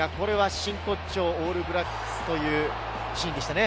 真骨頂・オールブラックスというシーンでしたね。